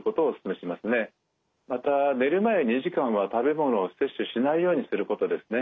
また寝る前２時間は食べ物を摂取しないようにすることですね。